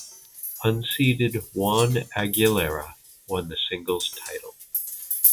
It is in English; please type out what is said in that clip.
Unseeded Juan Aguilera won the singles title.